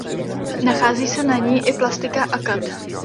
Nachází se na ní i plastika akad.